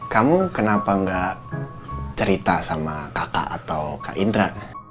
kamu kenapa nggak cerita sama kakak atau kak indra